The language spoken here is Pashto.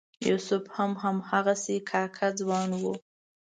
یوسف هم هماغسې کاکه ځوان و.